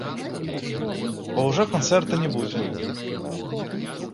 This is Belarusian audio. Бо ўжо канцэрта не будзе.